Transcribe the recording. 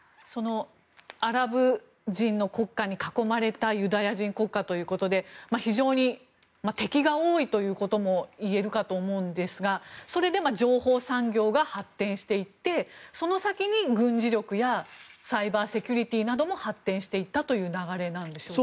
アラブ人の国家に囲まれたユダヤ人国家ということで非常に敵が多いということも言えるかと思うんですがそれで情報産業が発展していってその先に軍事力やサイバーセキュリティーなども発展していったという流れなんでしょうか。